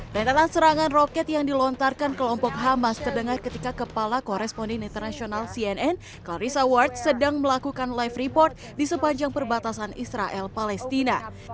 dan tentang serangan roket yang dilontarkan kelompok hamas terdengar ketika kepala korespondin internasional cnn clarissa ward sedang melakukan live report di sepanjang perbatasan israel palestina